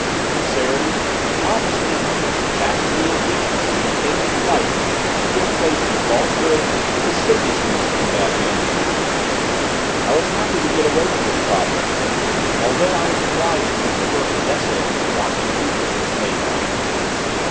Sincerity, honesty, chastity and decency have taken flight to give place to falsehood, lasciviousness, and bad manners. I was happy to get away from this province, although I was obliged to traverse desolate and rocky regions which lay beyond it.